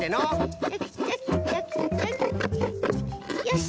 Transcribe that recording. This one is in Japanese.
よし。